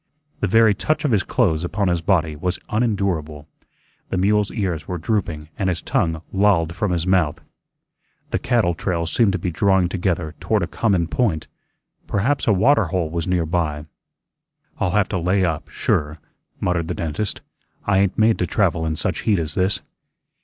The very touch of his clothes upon his body was unendurable. The mule's ears were drooping and his tongue lolled from his mouth. The cattle trails seemed to be drawing together toward a common point; perhaps a water hole was near by. "I'll have to lay up, sure," muttered the dentist. "I ain't made to travel in such heat as this."